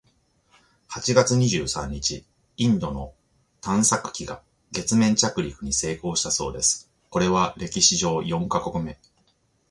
八月二十三日、インドの探査機が月面着陸に成功したそうです！（これは歴史上四カ国目！）